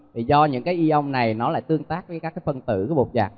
thì do những cái ion này nó lại tương tác với các phân tử của bột giặt